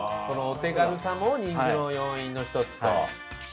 そのお手軽さも人気の要因の一つと。